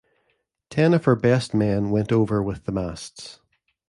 Ten of our best men went over with the masts.